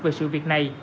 về sự việc này